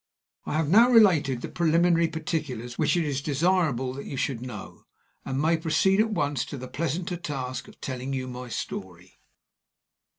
I have now related the preliminary particulars which it is desirable that you should know, and may proceed at once to the pleasanter task of telling you my story.